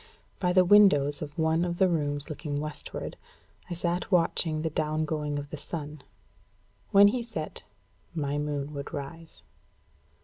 By the windows of one of the rooms looking westward, I sat watching the down going of the sun. When he set, my moon would rise.